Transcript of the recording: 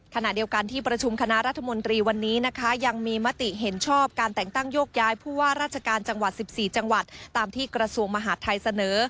ขณะเดียวกันที่ประชุมคณะรัฐมนตรีวันนี้นะคะยังมีมติเห็นชอบการแต่งตั้งโยกย้ายผู้ว่าราชการจังหวัด๑๔จังหวัดตามที่กระทรวงมหาดไทยเสนอ